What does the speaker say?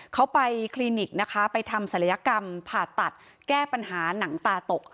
เขาไปคลินิกนะคะไปทำศัลยกรรมผ่าตัดแก้ปัญหาหนังตาตก